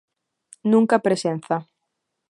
Nunca presenza.